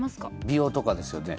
美容とかですよね？